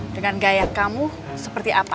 dengan gaya kamu seperti apa